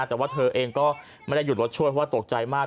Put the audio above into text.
แต่ว่าเธอเองก็ไม่ได้หยุดรถช่วยเพราะว่าตกใจมาก